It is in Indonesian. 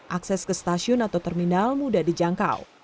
akses ke stasiun atau terminal mudah dijangkau